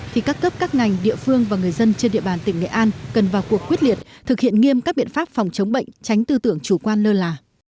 thì các cấp các ngành địa phương và người dân trên địa bàn tỉnh nghệ an cần vào cuộc quyết liệt thực hiện nghiêm các biện pháp phòng chống bệnh tránh tư tưởng chủ quan lơ là